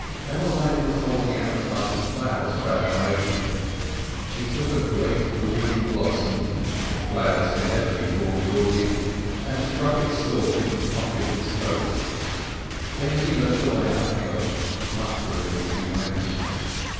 Emmeline was holding out her bunch of flowers for admiration. He took a great gaudy blossom—if flowers can ever be called gaudy—and stuck its stalk in the pocket of his coat. Then he led the way uphill, muttering as he went.